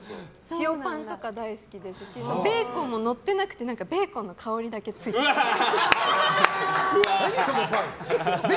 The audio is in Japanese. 塩パンとかも大好きですしベーコンものってなくてベーコンの香りだけついてるやつとか。